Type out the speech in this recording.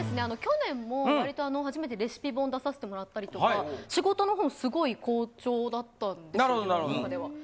あの去年も割と初めてレシピ本出させてもらったりとか仕事のほうもすごい好調だったんですよ。